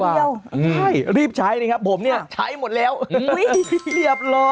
ใช่รีบใช้นะครับผมเนี่ยใช้หมดแล้วเหลียบร้อย